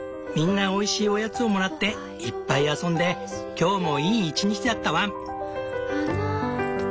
みんなおいしいおやつをもらっていっぱい遊んで今日もいい一日だったワン！